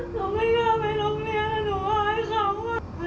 หนูไม่กลับไปโรงเรียนแล้วหนูหายเขา